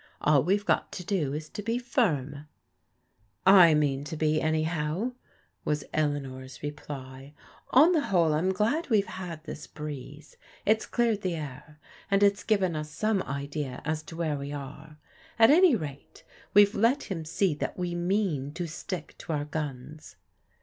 All we've got to do is to bo firah" " I mean to be anyhow," was Eleanor's reply. " On the whole I'm glad we've had this breeze. It's cleared the air, and it's given us some idea as to where we are. At any rate, we've let him see that we mean to stick to otu: guns."